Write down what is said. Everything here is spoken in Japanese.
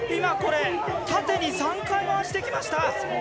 縦に３回、回してきました。